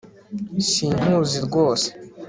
Sinkuzi rwose